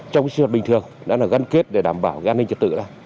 trong sự bình thường đã gắn kết để đảm bảo an ninh trật tự